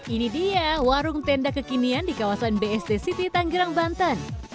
ini dia warung tenda kekinian di kawasan bst city tanggerang banten